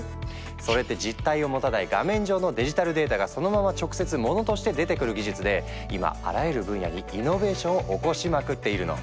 それって実体を持たない画面上のデジタルデータがそのまま直接モノとして出てくる技術で今あらゆる分野にイノベーションを起こしまくっているの。